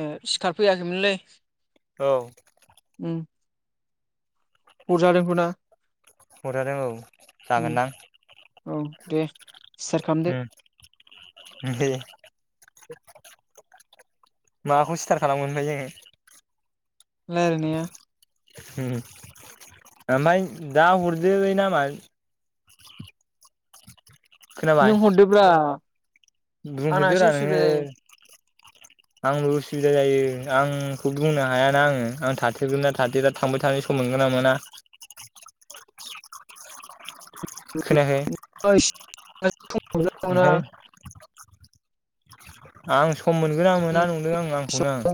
ओ सिखारफैयाखैमोनलै। औ। उम। हरजादों खोना हरजादों औ उम जागोनदां औ दे। स्टार्ट खालामदो उम दे। माखौ स्टार्ट खालामगोन ओमफाय जोङो? लारायनाया? उम ओमफाय दा हरदोलै नामा नों हरदोब्रा। आंना बुंहैदो एसे रा नोङो। उसुबिदा आंबो उसुबिदा जायो आंखौ बुंनो हायाना आङो आं थाथिरगोनना थाथेरा थांबाय थानाय सम मोनगोन ना मोना? खोनायाखै। ओयस। ओंखाय आं सम मोनगोन ना मोना नंदों आं आंखौनो आं।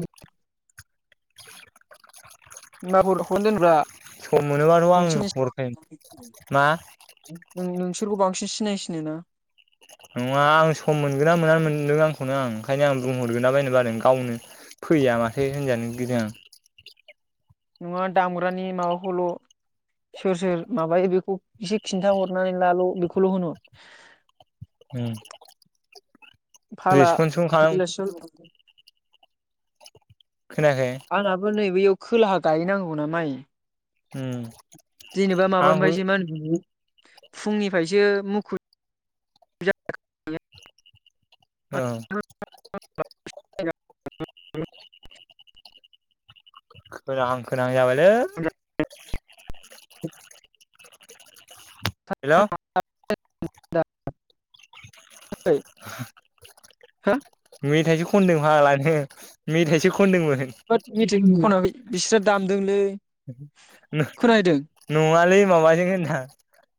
होमबाबो हरनादोनब्रा। सम मोनोबाथ' आं हरगोन मा उम नोंसोरखौ बांसिन सिनायसिनो ना। नङा आं सम मोनगोन ना मोना मोनदों आंखौनो आं ओंखायनो आं बुंहर गोरला बायनो बादों गावनो। फैया माथो होनजानो गिदों आं। नङा दामग्रानि माबाखौल' सोर सोर माबायो बेखौ एसे खिन्थ हरनानै लाल' बेखौल' होनहर। उम। रेसपन्सखौनो खालाम [unintelligible] खोनायाखै। आंहाबो नै बैयाव खोलाहा गायहैनांगौ ना माइ। उम। जेनेबा आंबो माबानिफायसो [unintelligible] फुंनिफायसो मुखुब ओं। [unintelligible] खोनाहां खोनाहां जाबायलै। [unintelligible] हेलौ [unintelligible] मेथाइसो खनदों मालानो मेथाइसो खनदोंमोन। होद मेथाय खनाखै बिसोरो दामदोंलै। नो खोनाहैदों नंङालै माबाजों होनदां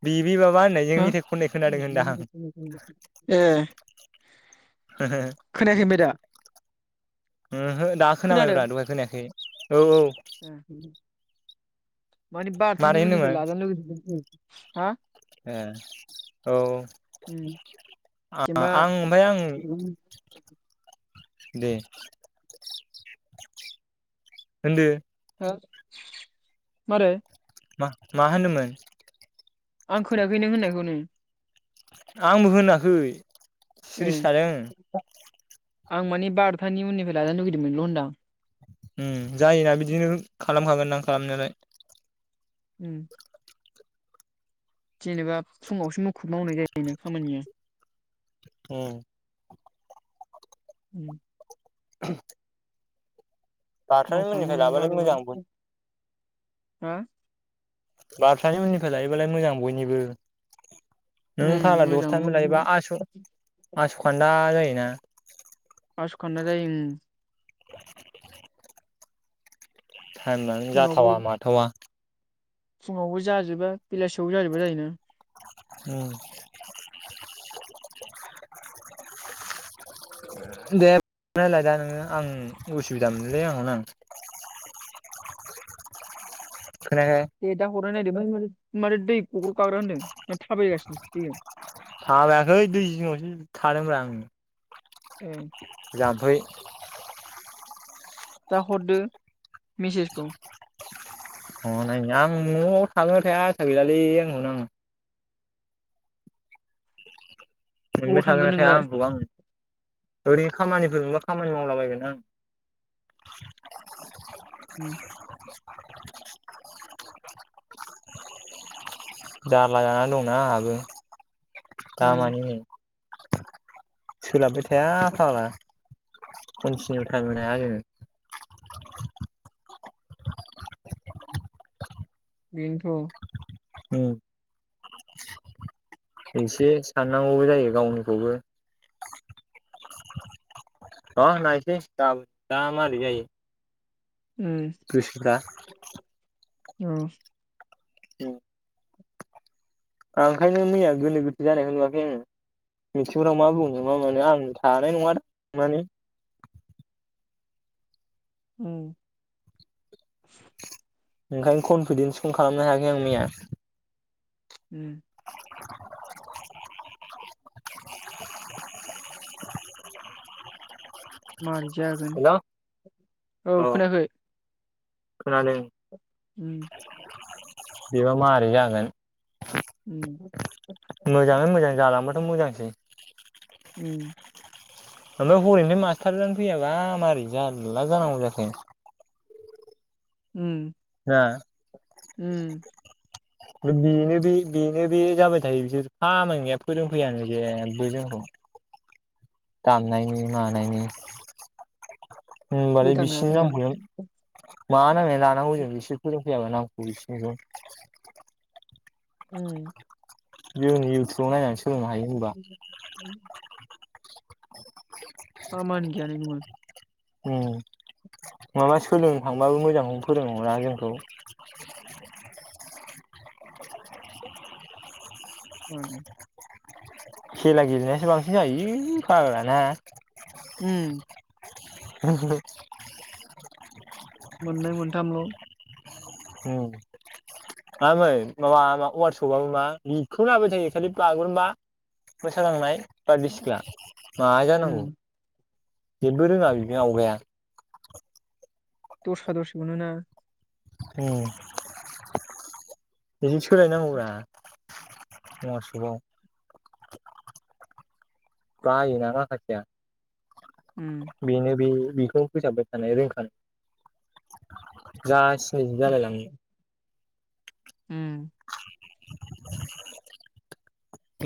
बिबि माबा होननाय जों हो मेथाइ खननाय खोनादों होनदां। [unintelligible] ए। हो हो खोनायाखै ओमबाय दा? ओहो दा खोनादों खोनाबायब्रा दहाय खोनायाखै औ औ। [unintelligible] मानि बार'थानि मारै उनिफ्राय होनोमोन लाजानो लुगैदोंमोन जों। हा? ए औ। उम आ जेनेबा ओमफ्राय आं। दे होनदो। हो मारै? म मा होनोमोन? आं खोनाखै नों होननायखौनो। आंबो होनाखै। ए। सिरिस थादों आं मानि बार'थानि उननिफ्राय लानो लुगैदोंमोनल' होनदां। ओ जायोना बिदिनो खालामखागोन दां खालामनायालाय। उम। जेनेबा फुङावसो मुखुब मावनाय जायोन खामानिया। ओम। उम। [inaudible] बाथारि मावफानो मोननिफ्राय मोनाबा लाबालाय मोजां बेयाव हा? बार'थानि उननिफ्राय लायोबालाय मोजां बयनिबो। नों उम फाग्ला मोजां दसथानि लायोबा आस' आस'खान्दा जायोना। आस खान्दा जायो ओम। टाइम लानो फुङावबो जाथावा माथावा। फुङावबो जाजोबा बेलासियावबो जाजोबा जायोना। उम। दे रायलायदो नोङो आं उसुबिदा मोनोलै आंनावनो आं। खोनायाखै? दे दा हरनाय नायदो। आमफाय माथो दै गग्र गाग्रा होन्दों ना थाबायगासिनो दैजों? थाबायाखै दै जिङावसो थादोंब्रा आं। ए। जामफै। दा हरदो मेसेजखौ। हनै आं नआव थागोनना थाया आं आसा गैयालै आंखौनो आं। अबाव मोनबाय थांगोन ना थाया नोंलाय आंखौ आं ओरै खामानिफोर मोनबा खामानि मावलाबायगोन आं। उम। जारला जानानै दंना आंहाबो उम दामानि। सोलाबबाय थाया फाग्ला कनथिनिउ टाइम होनो हाया जोङो बेनोथ'। उम। [inaudible] एसे साननांगौबो जायो गावनिखौबो। अ नायसै गामोनबा मारै जायो। गोसोफ्रा उम औ। उम। आं ओंखायनो मैया गोनो गोथो जानायखौ नुवाखै आङो। मिथिंफ्राव मा बुंनो मा मानो आं थानाय नङादां मानि उम। ओंखायनो कनफिडेन्सखौनो खालामनो हायाखै आं मैया। उम। [inaudible] मारै जागोन हेल' औ खोनायाखै। खोनादों। उम। बेबा मारै जागोन। उम। मोजाङै मोजां जालांबाथ' मोजांसै। उम। [unintelligible] मास्टारानो फैयाबा मारै जारला जानांगौ जाखो। उम। हा। उम। बेनो बे बेनो बे जाबाय थायो बिसोर खामानि गैया फोरोंफैयानो जेबो जोंखौ। दामनायनि मानायनि होनबालाय बिसिनि गोदानानो दां नामखौलाय मा नांनायनि लानांगौ जों बिसोर फोरोंफैयाबा नामखौ बिसिनिखौ उम। जों इउटुबाव नायनानै सोलोंनो हायो होमबा। [inaudible] खामानि गैयालै [unintelligible] उम माबा सोलोंनो थांबाबो मोजांखौनो फोरों हरा जोंखौ। उम। खेला गेलेनायासो बांसिन जाहैयो फाग्लाना। उम। [unintelligible] मोननै मोनथामल'। उम। [unintelligible] वात्साप आव मा बेखौनो [unintelligible] थायो खालि बागुरुम्बा मोसाग्लांनाय बारदै सिख्ला। मा उम जानांगौ जेबबो रोङा बिदि आवगाया। दस्रा दसे मोनोना उम बेजों सोलायनांगौब्रा वरसपआव। बायोना माखासेया उम बेनो बे बेखौ फोसाबबाय थानाय रोंखानाय जा सिनै जालाय लाङो। उम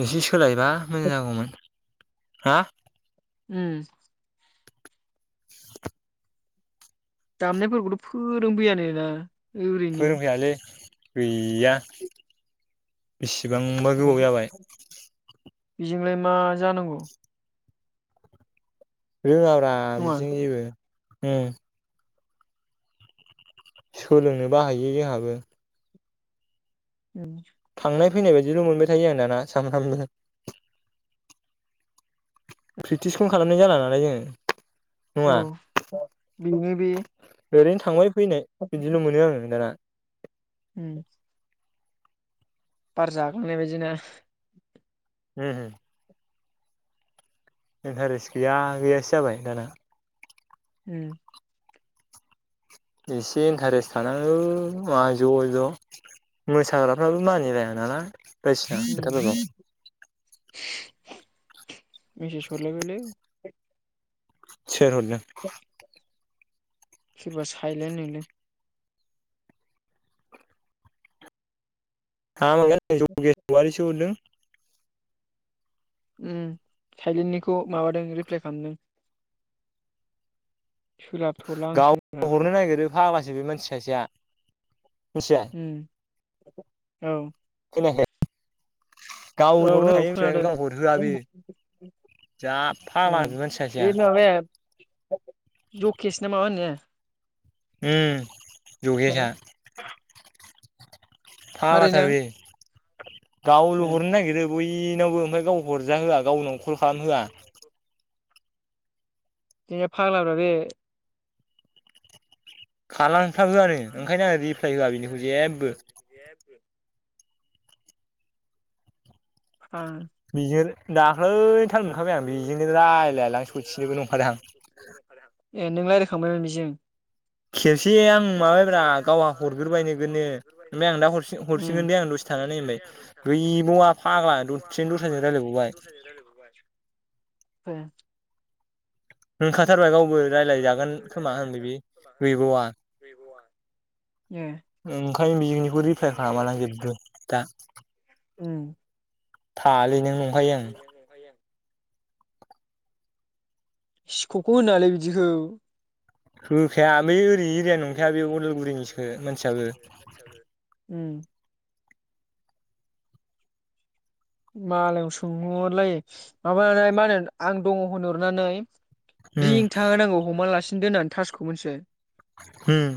एसे सोलायबा मोजां जागौमोन। हा? उम। दामनायफोरखौथ' फोरोंफैयानो ना। ओरैनो फोरोंफैयालै गैया बेसेबांबा गोबाव जाबाय बेजोंलाय मा जानांगौ। रोङाब्रा नङा बिदिजों जेबो उम। सोलोंनोबा हायो जोंहाबो उम। थांनाय फैनाय बायदिल' मोनबाय थायो आं दाना सानफ्रामबो प्रेकटिसखौनो खालामनाय जाला नालाय जोङो। नङा उम बेनो बे ओरैनो थांबाय फैनाय बिदिल' मोनो आङो दाना। उम। बार जाखांनाय बायदिना उमम। इन्टारेस्ट गैया गैयासो जाबाय दाना। उम। एसे इन्टारेस्ट थानांगौ मा ज' ज'। मोसाग्राफोराबो मानिलाया नालाय बायदिसिना उम खोथाफोरखौ मेसेस हरलायबायलै। सोर हरदों। सोरबा सायले नोलै। थाङा मोनगोन जगेस औवारिसो हरदों। उम थाइलेन्डनिखौ माबादों रिप्लाय खालामदों। सोलाबथ'ला आं गाव सोलाबनायालाय हरनो नागिरो फाग्लासो बे मानसि सासेआ मिथिबाय। उम औ खोनायाखै गाव औ हरनो औ हायो खोनादों गाव हरहोआ बेयो जा फाग्ला बि मानसि सासेआ जखेसना माबा होननाया उम जगेसा। मारै फाग्लाथार नों बे गावल' ए हरनो नागिरो बयनावबो ओमफ्राय गाव हरजा होआ गावनाव कल हरजा होआ खालामहोआ गावनावथ बे फाग्लाफोरा बे खालामथाबो आरो ओंखायनो आङो रिप्लाय होआ बिनिखौ जेबो जेबो हा बेजोंनो दाख्लै थाल मोनखाबाय आं बेजोंनो रायलायालां सथिबो नंखादां ए नों रायलाय खांबाय बेजों खेबसे आं माबाबायब्रा गावहा हरग्रोबाय नोगोनो ओमफ्राय आं दा हन उम हरसिनगोन दे आं दसे थानानै नाय होनबाय गैबावआ फाग्ला दसेनो दस्रा दस्रा रायज्लायबावबाय ह होनखाथारबाय गावबो रायज्लायजागोन खोमा होनबाय बि गैबावा गैबावा उम ओंखायनो बिनिखौ रिफ्लायार खालामालां जेबो दा उम [unintelligible] [unintelligible] सिख'खौ होनालाय बिदिखौ होखाया नै ओरै एरिया नंखाया बे अदालगुरिनिसो मानसियाबो। उम मालायाव सोंहरहरलाय माबानाय मा होनो आं दङ होनहरनानै उम रिं था होनांगौ हमना लासिनो दोननानै थासखौ मोनथिबाय। उम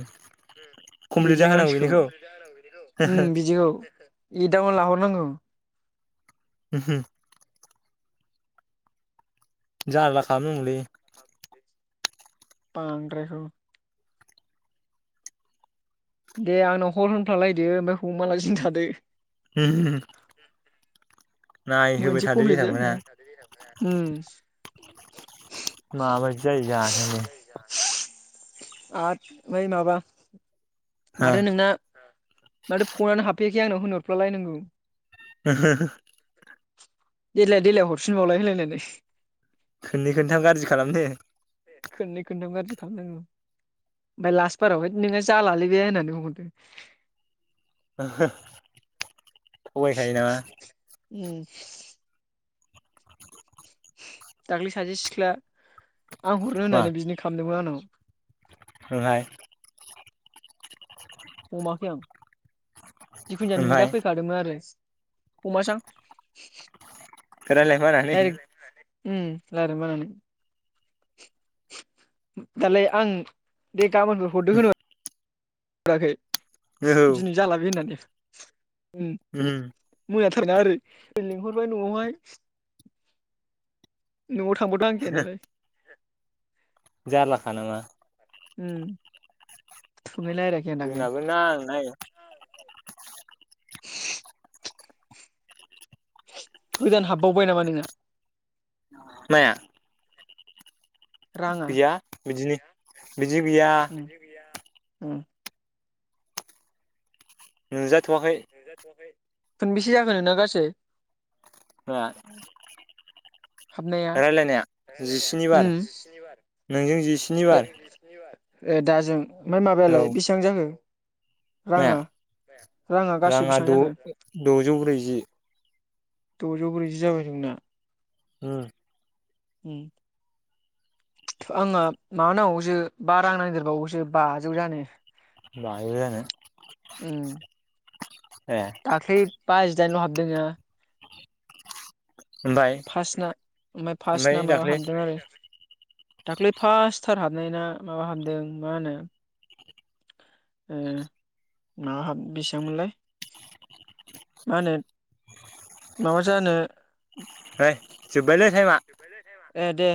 कमप्लिट बिदि जाहोनांगौ मानसिखौ। बेनिखौ उम बिदिखौ एदावना लाहरनांगौ। [inaudible] जारला खालामनांगौलै। बांद्रायखौ दे आंनाव हर होनफ्लालायदो ओमफ्राय हमालासिन थादो। [inaudible] नायहोबाय मोनसे थादो कमप्लिट बेथामोनहा जायाखैनो उम माबायदि जायो जानोलै। बै माबा हो माथो नोंना माथो फनानो हाबफैयाखै आंनाव होनहरफ्ला लायनांगौ। [inaudible] देलाय देलाय हरफिनबावलाय होनलायनानै। खोननै खोनथाम गाज्रि खालामनो। खोननै खोन्थाब गाज्रि खालामनांगौ। ओमफ्राय लास्ट बारावहाय नोंना जालालै बे होननानै बुंहरदों। थगायखायो नामा। उम दाख्लै सासे सिख्ला आं हरनो मा होननानै बिनो खामदोमोन आंनाव। [unintelligible] हमाखै आं जिखुन जाया ओमफ्राय नुजाफैखादोंमोन आरो। हमासां रानलायनो बानानै डाइरेक्ट उम लायरायनो बानानै। दालाय आं दे गाबोनखौ हरदो होन हराखै औ दिनै जाला बे होननानै। उम मोनाथारना ओरै लिंहरबाय न'आवहाय। न'आव थांबाथ' नांखाया नालाय। जारलाखा नामा उम [unintelligible] जोंनाबो ना नाय गोदान हाबबावबाय नामा नोंना? माया? राङा गैया बिदिनो बिदि गैया। उम उम नुजाथ'वाखै। खोनबेसे जाखो नोंना गासै? माया दा हाबनाया रायलायनाया जिस्नि बार। नोंजों जि। ओ दाजों ओमफ्राय औ माबायालाय बेसेबां जाखो? माया राङा राङा गासै बेसेबां जाखो? द'जौ ब्रैजि द'जौ ब्रैजि जाबाय नोंना। ओ। उ। आंना मा नांगौसो बा रां ननायदेरबावोसो बाजौ जानो। बाजौ जानो ए। दाख्लि बाजिदाइनल' हाबदोंना ओमफ्राय फार्स्ट ना ओमफ्राय फार्स्टना माबा हाबदों आरो। दाख्लै फार्स्टथार हाबनाय ना माबा हाबदों मा होनो। ओ मा बेसेबांमोनलाय। मा होनो माबा जानो। फ्राय जोब्बायलै टाइमआ। ए दे।